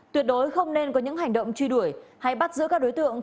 tuyệt đối không nên có những hành động truy đuổi hay bắt giữ các đối tượng